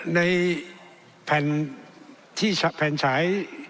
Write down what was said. ในแผ่นที่แผ่นฉาย